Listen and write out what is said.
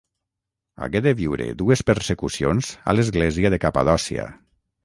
Hagué de viure dues persecucions a l'Església de Capadòcia.